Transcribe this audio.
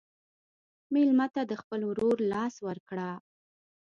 مېلمه ته د خپل ورور لاس ورکړه.